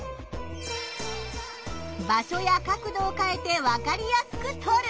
場所や角度を変えてわかりやすく撮る。